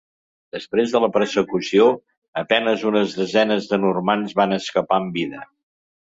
Després de la persecució, a penes unes desenes de normands van escapar amb vida.